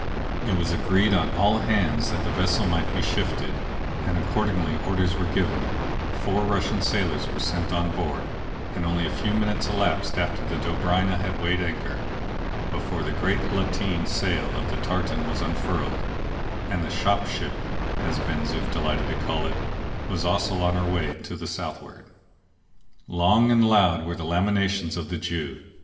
It was agreed on all hands that the vessel must be shifted; and accordingly orders were given, four Russian sailors were sent on board, and only a few minutes elapsed after the Dobryna had weighed anchor, before the great lateen sail of the tartan was unfurled, and the "shop ship," as Ben Zoof delighted to call it, was also on her way to the southward. Long and loud were the lamentations of the Jew.